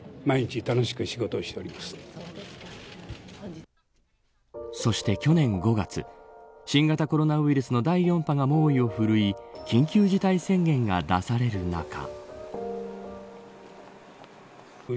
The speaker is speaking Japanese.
毎日そして、去年５月新型コロナウイルスの第４波が猛威を振るい緊急事態宣言が出される中。